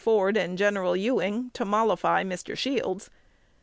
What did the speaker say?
Ford and Gen. Ewing to mollify Mr. Shields.